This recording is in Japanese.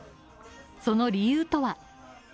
その理由とは。